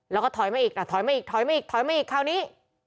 แล้วก็ถอยมาอีกถอยมาอีกข้าวนี้